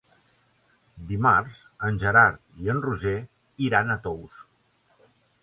Dimarts en Gerard i en Roger iran a Tous.